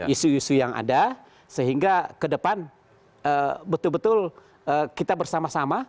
isu isu yang ada sehingga ke depan betul betul kita bersama sama